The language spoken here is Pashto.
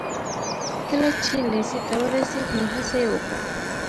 کله چې لېسې ته ورسېد نو هڅه يې وکړه.